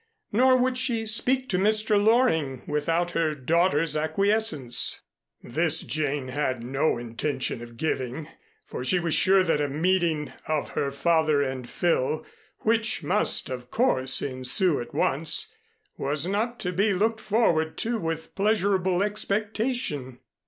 Nor would she speak to Mr. Loring without her daughter's acquiescence. This Jane had no intention of giving, for she was sure that a meeting of her father and Phil, which must, of course, ensue at once, was not to be looked forward to with pleasurable expectation.